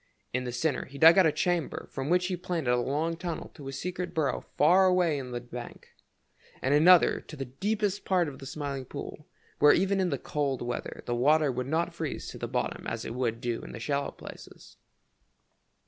In the center he dug out a chamber from which he planned a long tunnel to his secret burrow far away in the bank, and another to the deepest part of the Smiling Pool, where even in the coldest weather the water would not freeze to the bottom as it would do in the shallow places.